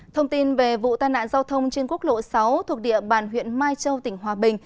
thông tin về vụ tai nạn giao thông trên quốc lộ sáu thuộc địa bàn huyện mai châu tỉnh hòa bình